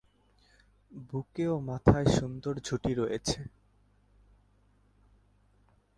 বুকে ও মাথায় সুন্দর ঝুঁটি রয়েছে।